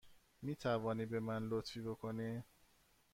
می توانی به من لطفی بکنی؟